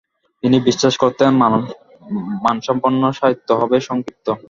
তিনি বিশ্বাস করতেন মানসম্পন্ন সাহিত্য হবে সংক্ষিপ্ত।